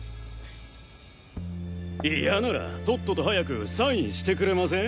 嫌ならとっとと早くサインしてくれません？